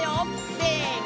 せの！